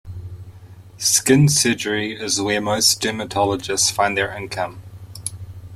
Skin surgery is where most dermatologists find their income.